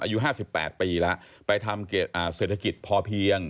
อายุ๕๘ปีแล้วไปทำเศรษฐกิจพอเพียง